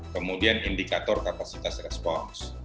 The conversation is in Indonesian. kemudian indikator kapasitas respons